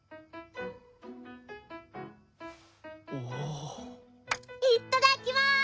おお。いっただっきます！